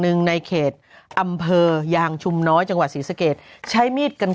หนึ่งในเขตอำเภอยางชุมน้อยจังหวัดศรีสเกตใช้มีดกัน